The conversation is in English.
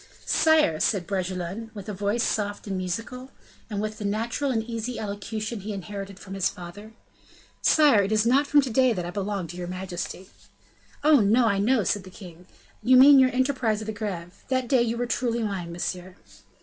"Sire," said Bragelonne, with voice soft and musical, and with the natural and easy elocution he inherited from his father; "Sire, it is not from to day that I belong to your majesty." "Oh! no, I know," said the king, "you mean your enterprise of the Greve. That day, you were truly mine, monsieur."